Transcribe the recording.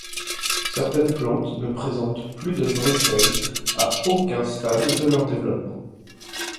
Certaines plantes ne présentent plus de vraies feuilles à aucun stade de leur développement.